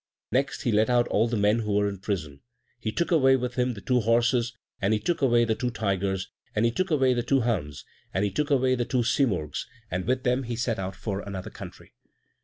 Next he let out all the men who were in prison. He took away with him the two horses, and he took away the two tigers, and he took away the two hounds, and he took away the two simurgs, and with them he set out for another country.